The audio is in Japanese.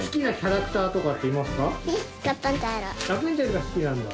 ラプンツェルが好きなんだ。